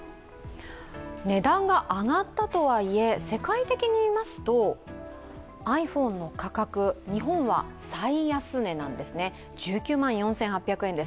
値段が上がったとはいえ、世界的にいいますと、ｉＰｈｏｎｅの価格、日本は最安値なんですね。